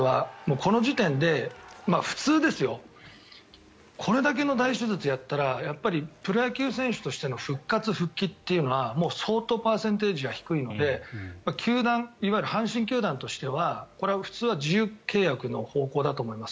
この時点で普通はこれだけの大手術やったらやっぱりプロ野球選手としての復活・復帰っていうのは相当、パーセンテージが低いので球団、いわゆる阪神球団としては自由契約だと思います。